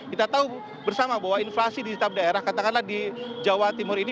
kita tahu bersama bahwa inflasi di setiap daerah katakanlah di jawa timur ini